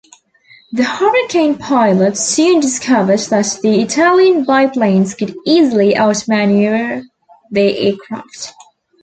The Hurricane pilots soon discovered that the Italian biplanes could easily outmaneuver their aircraft.